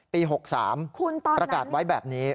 ปี๖๓ประกาศไว้แบบนี้